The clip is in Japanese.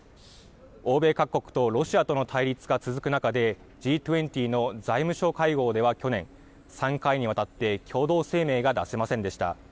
欧米各国とロシアとの対立が続く中でＧ２０の財務相会合では去年３回にわたって共同声明が出せませんでした。